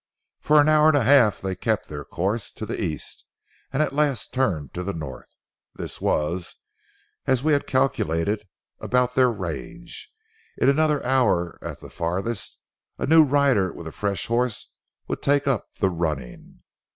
For an hour and a half they kept their course to the east, and at last turned to the north. This was, as we had calculated, about their range. In another hour at the farthest, a new rider with a fresh horse would take up the running.